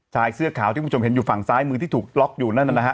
ชายเสื้อขาวที่คุณผู้ชมเห็นอยู่ฝั่งซ้ายมือที่ถูกล็อกอยู่นั่นนะฮะ